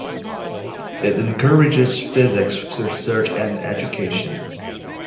It encourages physics research and education.